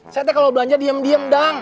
saya teh kalau belanja diem diem dang